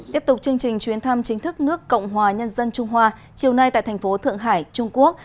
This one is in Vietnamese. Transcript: tiếp tục chương trình chuyến thăm chính thức nước cộng hòa nhân dân trung hoa chiều nay tại thành phố thượng hải trung quốc